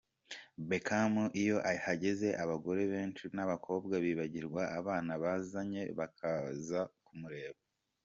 Beckham iyo ahageze abagore benshi n’abakobwa bibagirwa abana bazanye, bakaza kumureba.